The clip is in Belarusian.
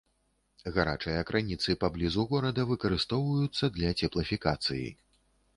Гарачыя крыніцы паблізу горада выкарыстоўваюцца для цеплафікацыі.